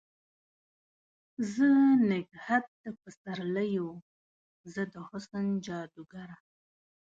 زه نګهت د پسر لیو، زه د حسن جادوګره